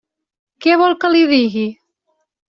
Què vol que li digui?